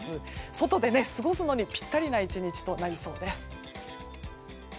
外で過ごすのにぴったりな１日となりそうです。